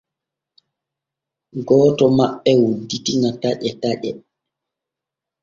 Gooto maɓɓe wudditi ŋa taƴe taƴe.